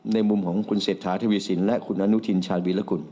ในมุมของคุณเศรษฐาทวีสินและคุณอนุทินชาญวีรกุล